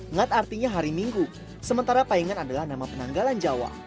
ngat artinya hari minggu sementara paingan adalah nama penanggalan jawa